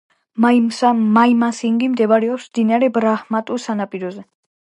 მაიმანსინგჰი მდებარეობს მდინარე ბრაჰმაპუტრას სანაპიროზე.